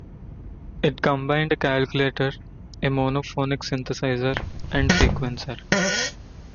It combined a calculator, a monophonic synthesizer, and sequencer.